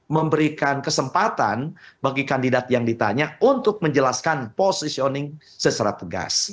memberikan kesempatan bagi kandidat yang ditanya untuk menjelaskan positioning secara tegas